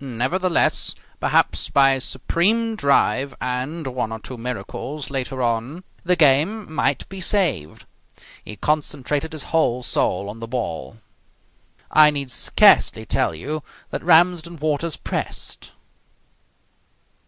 Nevertheless, perhaps, by a supreme drive, and one or two miracles later on, the game might be saved. He concentrated his whole soul on the ball. I need scarcely tell you that Ramsden Waters pressed....